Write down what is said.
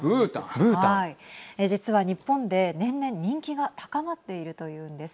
実は日本で年々人気が高まっているというんです。